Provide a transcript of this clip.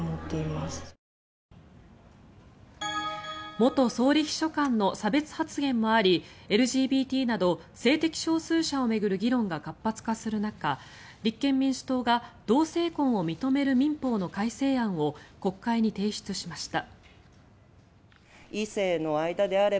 元総理秘書官の差別発言もありＬＧＢＴなど性的少数者を巡る議論が活発化する中立憲民主党が同性婚を認める民法の改正案を国会に提出しました。